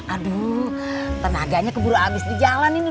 aduh tenaganya keburu abis di jalan ini